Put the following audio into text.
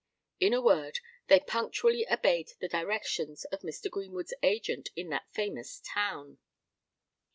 In a word, they punctually obeyed the directions of Mr. Greenwood's agent in that famous town.